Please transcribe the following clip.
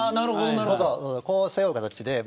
こう背負う形で。